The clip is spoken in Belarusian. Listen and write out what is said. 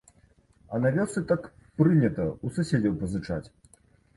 А на вёсцы так прынята ў суседзяў пазычаць.